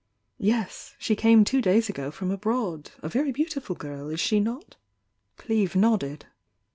"Yes. She came two days ago from abroad. A very beautiful girl, is she not?" Cleeve nodded.